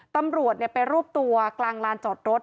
ตำรวจไปรวบตัวกลางลานจอดรถ